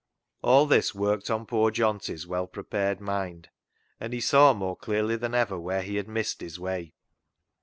All this worked on poor Johnty's well prepared mind, and he saw more clearly than ever where he had missed his way.